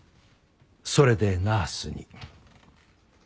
それでナースに。